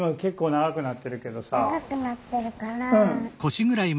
長くなってるから。